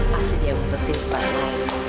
pasti dia berpikir pada mama